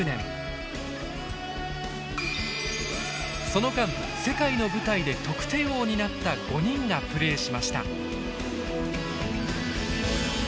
その間世界の舞台で得点王になった５人がプレーしました。